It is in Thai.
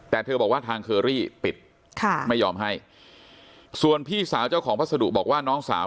แต่เธอบอกว่าทางเคอรี่ปิดค่ะไม่ยอมให้ส่วนพี่สาวเจ้าของพัสดุบอกว่าน้องสาว